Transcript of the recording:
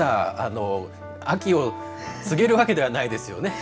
秋を告げるわけではないんですよね。